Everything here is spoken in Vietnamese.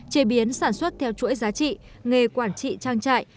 chế biến sản xuất theo chuỗi giá trị nghề quản trị trang trại